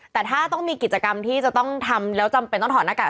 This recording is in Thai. แต่ถ้าต้องมีกิจกรรมที่จะต้องทำแล้วจำเป็นต้องถอดหน้ากาก